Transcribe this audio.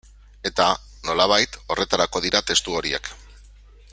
Eta, nolabait, horretarako dira testu horiek.